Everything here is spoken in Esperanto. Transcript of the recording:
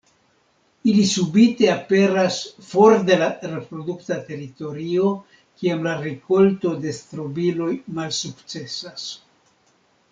Ili subite aperas for de la reprodukta teritorio kiam la rikolto de strobiloj malsukcesas.